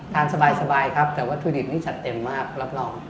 ทานสบายครับแต่วัตถุดิบนี้จัดเต็มมากรับรอง